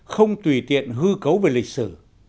không tùy tiện hư cấu về lịch sử